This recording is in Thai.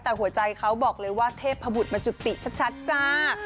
แต่หัวใจเขาบอกเลยว่าเทพบุตรมาจุติชัดจ้า